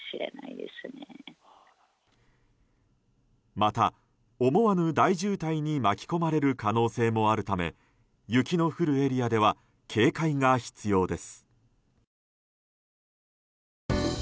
また、思わぬ大渋滞に巻き込まれる可能性もあるため雪の降るエリアでは警戒が必要です。